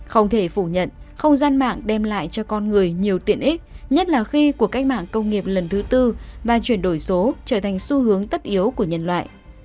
không thể phủ nhận không gian mạng đem lại cho con người nhiều tiện ích nhất là khi cuộc cách mạng công nghiệp lần thứ tư và chuyển đổi số trở thành xu hướng tất yếu của nhân loại